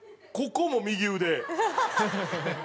ここも右腕。